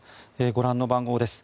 ご覧の番号です。